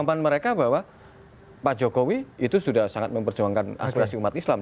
harapan mereka bahwa pak jokowi itu sudah sangat memperjuangkan aspirasi umat islam